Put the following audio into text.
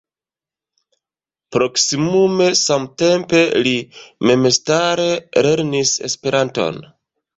Proksimume samtempe li memstare lernis Esperanton.